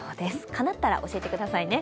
かなったら教えてくださいね。